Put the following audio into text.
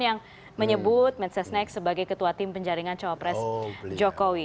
yang menyebut medsasnex sebagai ketua tim penjaringan cowok pres jokowi